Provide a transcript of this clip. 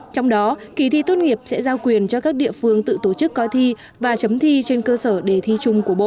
trong đó kỳ thi tốt nghiệp sẽ giao quyền cho các địa phương tự tổ chức coi thi và chấm thi trên cơ sở đề thi chung của bộ